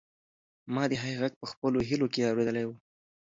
ما د هغې غږ په خپلو هیلو کې اورېدلی و.